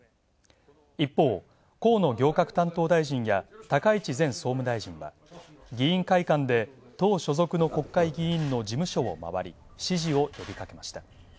一方、河野行革担当大臣や高市前総務大臣は議員会館で党所属の国会議員の事務所を回り、支持を呼びかけました。